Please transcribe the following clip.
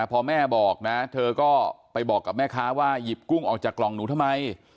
พอแม่บอกนะเธอก็ไปบอกกับแม่ค้าว่าหยิบกุ้งออกจากกล่องหนูทำไม